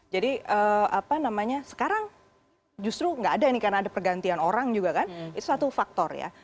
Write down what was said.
jadi sekarang justru nggak ada ini karena ada pergantian orang juga kan itu satu faktor ya